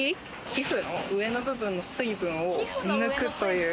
皮膚上の部分の水分を抜くという。